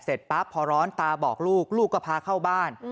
เสร็จปั๊บพอร้อนตาบอกลูกลูกก็พาเข้าบ้าน